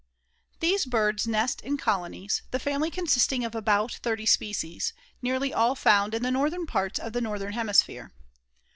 These birds nest in colonies, the family consisting of about thirty species, nearly all found in the northern parts of the northern hemisphere.